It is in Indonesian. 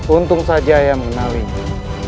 untung saja ayah mengenalinya